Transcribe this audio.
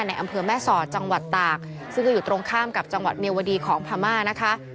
อำเภอแม่สอดจังหวัดตากซึ่งก็อยู่ตรงข้ามกับจังหวัดเมียวดีของพม่านะคะ